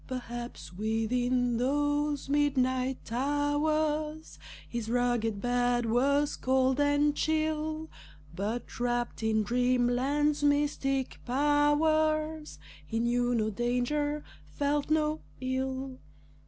Perhaps within those midnight hours His rugged bed was cold and chill, But wrapped in Dreamland's mystic powers, He knew no danger, felt no ill.